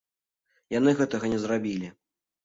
Яны гэтага не зрабілі.